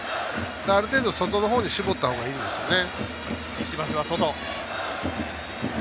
ある程度外のほうに絞ったほうがいいんですね。